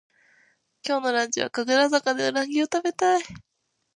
今日のランチは神楽坂でうなぎをたべたい